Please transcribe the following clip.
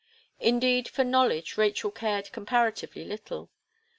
Indeed for knowledge Rachel cared comparatively little.